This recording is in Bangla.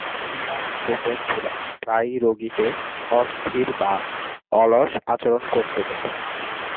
পরিবার ও বন্ধুরা প্রায়ই রোগীকে অস্থির বা অলস আচরণ করতে দেখেন।